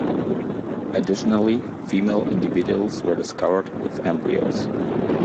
Additionally, female individuals were discovered with embryos.